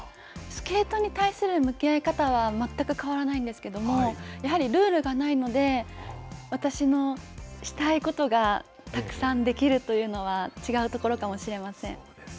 スケートに対する向き合い方は全く変わらないんですけれども、やはりルールがないので、私のしたいことがたくさんできるというそうですか。